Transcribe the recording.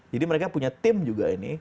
jadi mereka punya tim juga ini